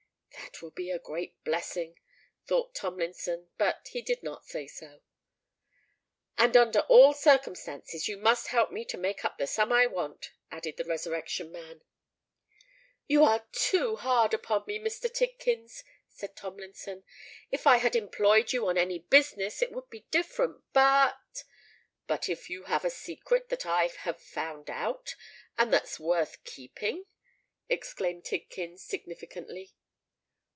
"That will be a great blessing," thought Tomlinson; but he did not say so. "And under all circumstances, you must help me to make up the sum I want," added the Resurrection Man. "You are too hard upon me, Mr. Tidkins," said Tomlinson. "If I had employed you on any business, it would be different: but——" "But if you have a secret that I have found out, and that's worth keeping?" exclaimed Tidkins, significantly.